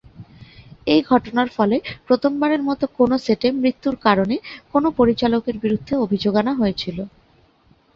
এই ঘটনার ফলে প্রথমবারের মতো কোনও সেটে মৃত্যুর কারণে কোনও পরিচালকের বিরুদ্ধে অভিযোগ আনা হয়েছিল।